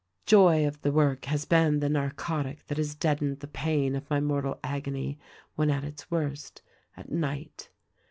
"The joy of the work has been the narcotic that has deadened the pain of my mortal agony when at its worst — at night.